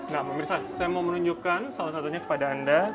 nah pemirsa saya mau menunjukkan salah satunya kepada anda